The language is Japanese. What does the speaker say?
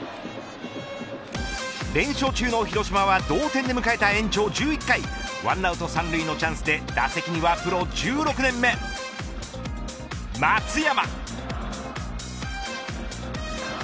連勝中の広島は同点で迎えた延長１１回１アウト３塁のチャンスで打席にはプロ１６年目松山。